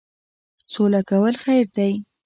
سوله کول خیر دی.